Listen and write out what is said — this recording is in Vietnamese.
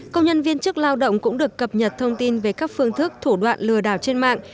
công nhân viên chức lao động cũng được cập nhật thông tin về các phương thức thủ đoạn lừa đảo trên mạng